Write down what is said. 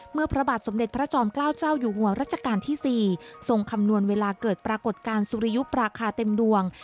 พระบาทสมเด็จพระจอมเกล้าเจ้าอยู่หัวรัชกาลที่๔ทรงคำนวณเวลาเกิดปรากฏการณ์สุริยุปราคาเต็มดวง